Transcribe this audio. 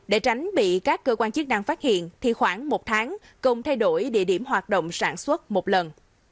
để tránh bị các cơ quan chức năng phát hiện thì khoảng một tháng công thay đổi địa điểm hoạt động sản xuất một lần